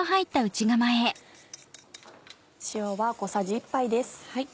塩は小さじ１杯です。